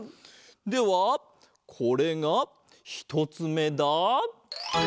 ではこれがひとつめだ。